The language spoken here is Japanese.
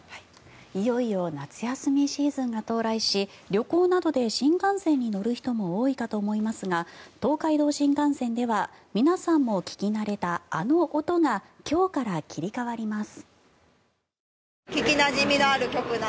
いよいよ夏休みシーズンが到来し旅行などで新幹線に乗る人も多いかと思いますが東海道新幹線では皆さんも聞き慣れたあの音が今日から切り替わります。